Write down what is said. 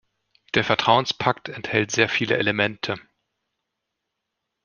Der Vertrauenspakt enthält sehr viele Elemente.